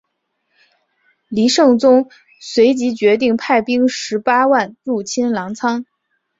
黎圣宗随即决定派兵十八万入侵澜沧。